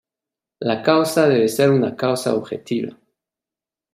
La causa debe ser una causa objetiva.